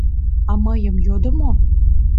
— А мыйым йодо мо?